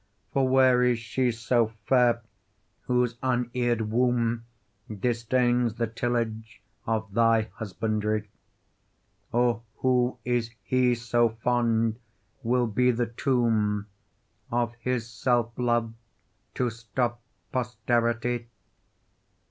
For where is she so fair whose unear'd womb Disdains the tillage of thy husbandry? Or who is he so fond will be the tomb, Of his self love to stop posterity?